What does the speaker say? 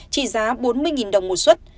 chỉ giá bốn mươi đồng một suất